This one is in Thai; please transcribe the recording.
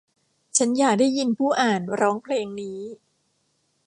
ฉันอยากได้ยินผู้อ่านร้องเพลงนี้